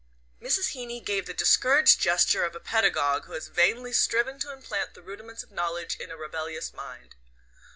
Mrs. Heeny gave the discouraged gesture of a pedagogue who has vainly striven to implant the rudiments of knowledge in a rebellious mind.